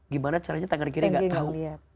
gimana caranya tangan kiri gak tahu